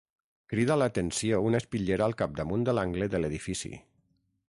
Crida l'atenció una espitllera al capdamunt de l'angle de l'edifici.